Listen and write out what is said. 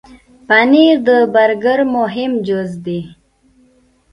پنېر د برګر مهم جز دی.